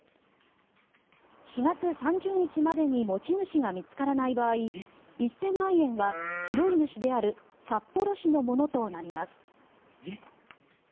４月３０日までに持ち主が見つからない場合１０００万円は拾い主である札幌市のものとなります。